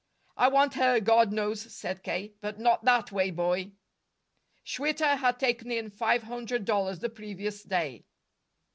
"I want her, God knows!" said K. "But not that way, boy." Schwitter had taken in five hundred dollars the previous day.